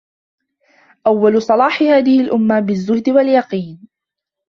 أَوَّلُ صَلَاحِ هَذِهِ الْأُمَّةِ بِالزُّهْدِ وَالْيَقِينِ